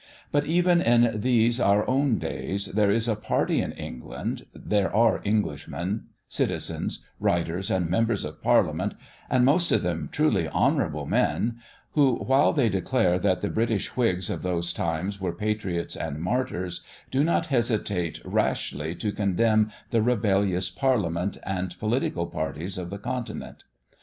But even in these our own days there is a party in England, there are Englishmen, citizens, writers, and members of Parliament, and most of them truly honourable men, who, while they declare that the British Whigs of those times were patriots and martyrs, do not hesitate rashly to condemn the "rebellious" Parliaments and political parties of the continent.